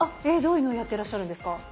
えどういうのをやってらっしゃるんですか？